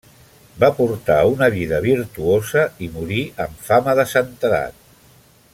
Va portar una vida virtuosa i morí amb fama de santedat.